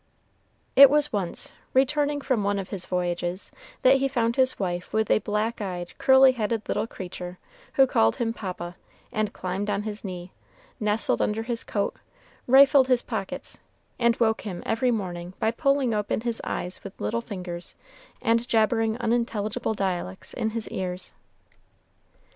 It was once, returning from one of his voyages, that he found his wife with a black eyed, curly headed little creature, who called him papa, and climbed on his knee, nestled under his coat, rifled his pockets, and woke him every morning by pulling open his eyes with little fingers, and jabbering unintelligible dialects in his ears.